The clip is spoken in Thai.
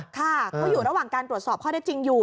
ค่ะเขาอยู่ระหว่างการตรวจสอบข้อได้จริงอยู่